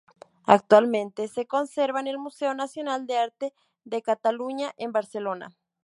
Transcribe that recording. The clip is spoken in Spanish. Actualmente se conserva en el Museo Nacional de Arte de Cataluña en Barcelona.